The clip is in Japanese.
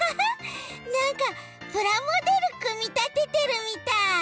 なんかプラモデルくみたててるみたい。